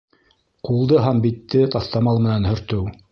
Ҡулды һәм битте таҫтамал менән һөртөү